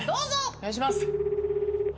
お願いします。